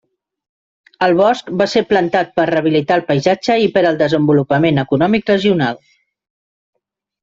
El bosc va ser plantat per rehabilitar el paisatge i per al desenvolupament econòmic regional.